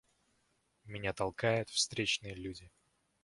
Меня толкают встречные люди.